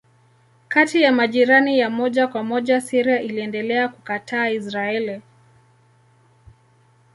Kati ya majirani ya moja kwa moja Syria iliendelea kukataa Israeli.